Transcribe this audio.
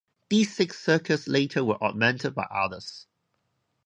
These six circuits later were augmented by others.